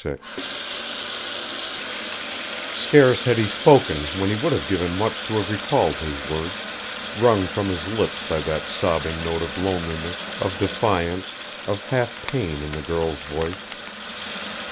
VI Scarce had he spoken when he would have given much to have recalled his words, wrung from his lips by that sobbing note of loneliness, of defiance, of half pain in the girl's voice.